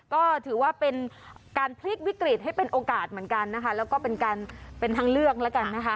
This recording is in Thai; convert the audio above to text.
ก็ถือว่าเป็นการพลิกวิกฤตให้เป็นโอกาสเหมือนกันนะคะแล้วก็เป็นการเป็นทางเลือกแล้วกันนะคะ